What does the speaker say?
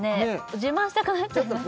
自慢したくなっちゃいます